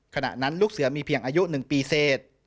ขณะนั้นลูกเสือมีเพียงอายุ๑ปีเศษ